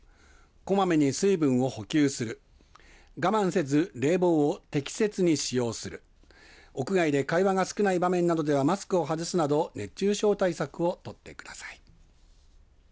こまめに水分を補給する、我慢せず冷房を適切に使用する、屋外で会話が少ない場面などではマスクを外すなど熱中症対策を取ってください。